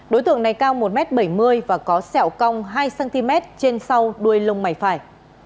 đối tượng này cao một bảy mươi m và có sẹo cong hai cm trên sau đuôi lông mảnh phải